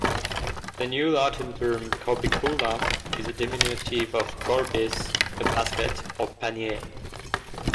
The New Latin term "corbicula" is a diminutive of "corbis", a basket or pannier.